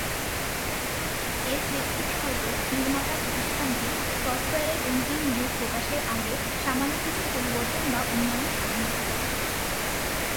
এর প্রেক্ষিতে হয়ত নির্মাতা প্রতিষ্ঠানটি সফটওয়্যারের অন্তিম রূপ প্রকাশের আগে সামান্য কিছু পরিবর্তন বা উন্নয়ন সাধন করে।